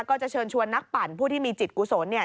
ก็จะเชิญชวนนักปั่นผู้ที่มีจิตกุศลเนี่ย